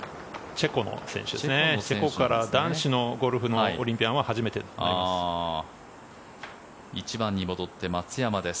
チェコから男子のゴルフのオリンピアンは初めてとなります。